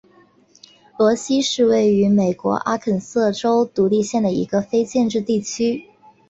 罗西是位于美国阿肯色州独立县的一个非建制地区。